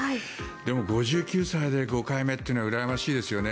でも５９歳で５回目というのはうらやましいですよね。